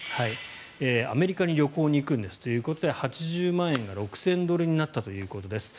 アメリカに旅行に行くんですということで８０万円が６０００ドルになったということです。